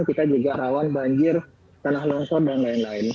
kita juga rawan banjir tanah longsor dan lain lain